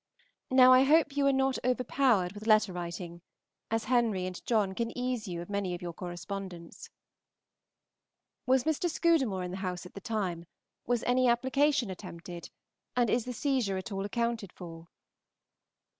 Now I hope you are not overpowered with letter writing, as Henry and John can ease you of many of your correspondents. Was Mr. Scudamore in the house at the time, was any application attempted, and is the seizure at all accounted for?